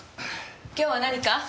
今日は何か？